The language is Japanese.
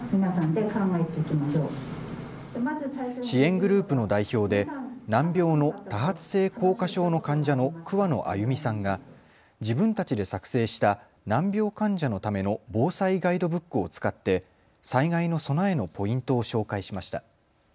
支援グループの代表で難病の多発性硬化症の患者の桑野あゆみさんが自分たちで作成した難病患者のための防災ガイドブックを使って災害の備えのポイントを紹介しました。